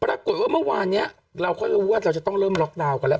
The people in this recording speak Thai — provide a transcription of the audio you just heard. ปรากฏว่าเมื่อวานนี้เราก็รู้ว่าเราจะต้องเริ่มล็อกดาวน์กันแล้ว